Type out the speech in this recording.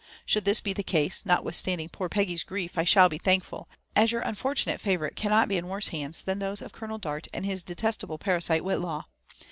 Should this be the case, notwith standing poor Peggy's grief, I shall be thankful^ as your unfortunate favourite cannot be in worse hands than those of Colonel Dart and his detestable parasite Whitlaw.